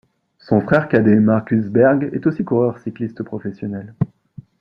Son frère cadet Markus Zberg est aussi coureur cycliste professionnel.